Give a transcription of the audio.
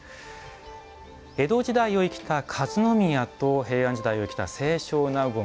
江戸時代を生きた和宮と平安時代を生きた清少納言。